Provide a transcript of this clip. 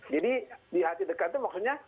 jadi di hati dekat itu maksudnya